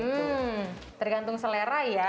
hmm tergantung selera ya